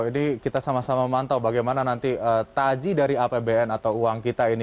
jadi kita sama sama mantau bagaimana nanti taji dari apbn atau uang kita ini